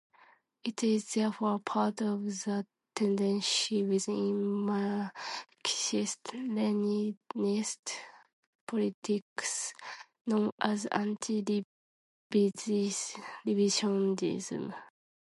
It is therefore part of the tendency within Marxist-Leninist politics known as anti-revisionism.